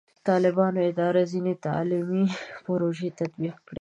د طالبانو اداره ځینې تعلیمي پروژې تطبیق کړي.